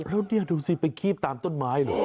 แล้วนี่ดูสิไปคีบตามต้นไม้เหรอ